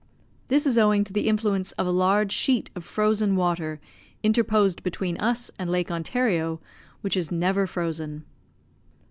This is owing to the influence of a large sheet of frozen water interposed between us and Lake Ontario, which is never frozen.